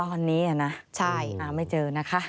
ตอนนี้นะไม่เจอนะคะ